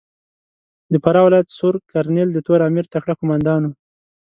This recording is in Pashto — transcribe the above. د فراه ولایت سور کرنېل د تور امیر تکړه کومندان ؤ.